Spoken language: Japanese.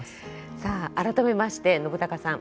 さあ改めまして信朗さん